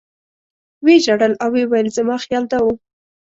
و یې ژړل او ویې ویل زما خیال دا و.